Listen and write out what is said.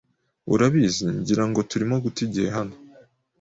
Urabizi, ngira ngo turimo guta igihe hano